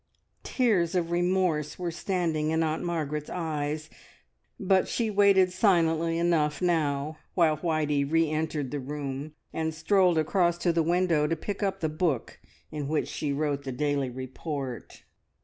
Tears of remorse were standing in Aunt Margaret's eyes, but she waited silently enough now while Whitey re entered the room and strolled across to the window to pick up the book in which she wrote the daily report.